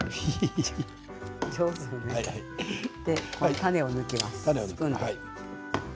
種をむきます。